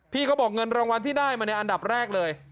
เขาบอกเงินรางวัลที่ได้มาในอันดับแรกเลย